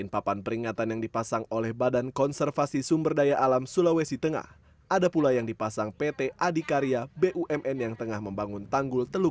papan peringatan sudah dipasang di titik titik tertentu